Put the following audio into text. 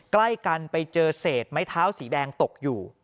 ใกล้กันไปเจอเศษไม้เท้าสีแดงตกอยู่